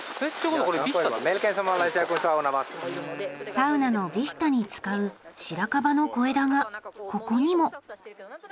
サウナのヴィヒタに使うシラカバの小枝がここにも。